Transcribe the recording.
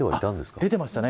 出てましたね。